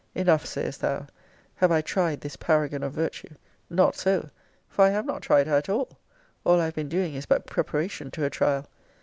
Enough, sayest thou, have I tried this paragon of virtue. Not so; for I have not tried her at all all I have been doing is but preparation to a trial.